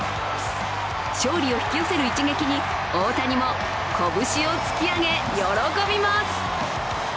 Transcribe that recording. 勝利を引き寄せる一撃に大谷も拳を突き上げ喜びます。